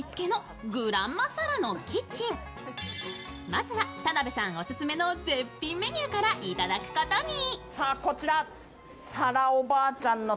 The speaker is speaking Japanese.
まずは、田辺さんオススメの絶品メニューから頂くことに。